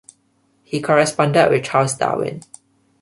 He corresponded with Charles Darwin.